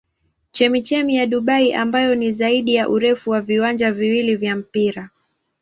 Chemchemi ya Dubai ambayo ni zaidi ya urefu wa viwanja viwili vya mpira.